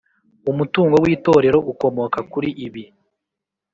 Umutungo w itorero ukomoka kuri ibi